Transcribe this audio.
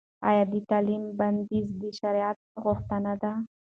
ایا د تعلیم بندیز د شرعیت غوښتنه ده؟